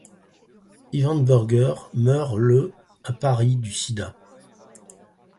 Yvan Burger meurt le à Paris du sida.